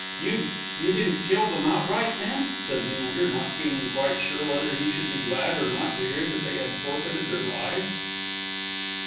"You you didn't kill them outright, then?" said Leander, not feeling quite sure whether he would be glad or not to hear that they had forfeited their lives.